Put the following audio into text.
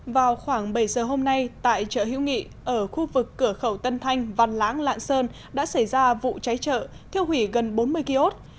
vào khoảng bảy giờ hôm nay tại chợ hiễu nghị ở khu vực cửa khẩu tân thanh văn lãng lạng sơn đã xảy ra vụ cháy chợ thiêu hủy gần bốn mươi kiosk